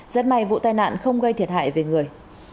rất may vụ tai nạn không gây thiệt hại về người